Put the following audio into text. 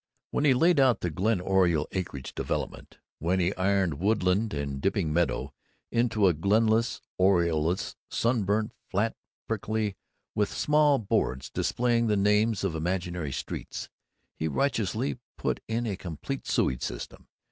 When he laid out the Glen Oriole acreage development, when he ironed woodland and dipping meadow into a glenless, orioleless, sunburnt flat prickly with small boards displaying the names of imaginary streets, he righteously put in a complete sewage system.